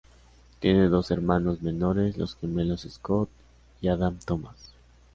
Tiene dos hermanos menores, los gemelos Scott y Adam Thomas.